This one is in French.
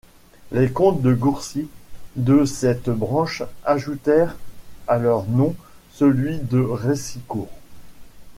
Les comtes de Gourcy de cette branche ajoutèrent à leur nom celui de Récicourt.